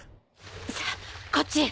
さあこっちへ。